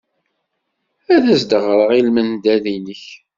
Ad as-d-ɣreɣ i lmendad-nnek.